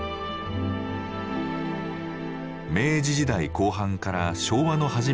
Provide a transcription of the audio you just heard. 明治時代後半から昭和の初めにかけて